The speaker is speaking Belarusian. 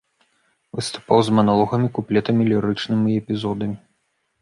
Выступаў з маналогамі, куплетамі, лірычнымі эпізодамі.